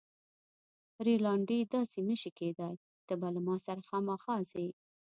رینالډي: داسې نه شي کیدای، ته به له ما سره خامخا ځې.